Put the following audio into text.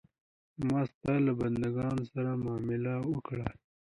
ما ستا له بندګانو سره معامله وکړه.